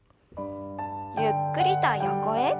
ゆっくりと横へ。